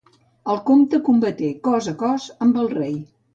El comte combaté cos a cos amb el rei.